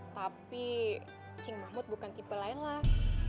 tapi cing mahmud bukan tipe lelak